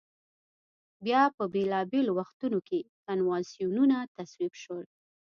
بیا په بېلا بېلو وختونو کې کنوانسیونونه تصویب شول.